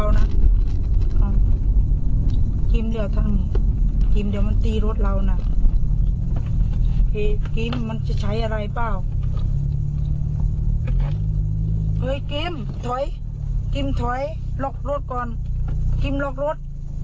เกมถอยกิมถอยล็อกรถก่อนกิมล็อกรถ